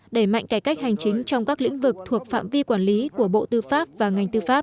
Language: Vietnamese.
đẩy mạnh cải cách hành chính trong các lĩnh vực thuộc phạm vi quản lý của bộ tư pháp và ngành tư pháp